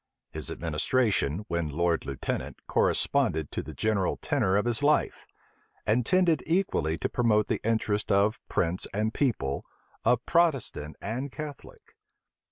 His administration, when lord lieutenant corresponded to the general tenor of his life; and tended equally to promote the interests of prince and people, of Protestant and Catholic.